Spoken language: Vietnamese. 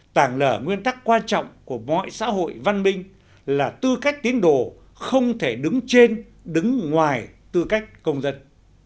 tàng lở nguyên tắc quan trọng của mọi xã hội văn minh là tư cách tiến đồ không thể đứng trên đứng ngoài tư cách công dân